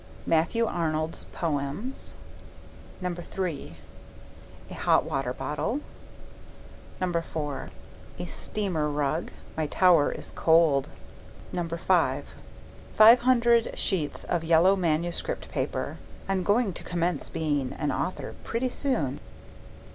Matthew Arnold's poems. III. A hot water bottle. IV. A steamer rug. (My tower is cold.) V. Five hundred sheets of yellow manuscript paper. (I'm going to commence being an author pretty soon.)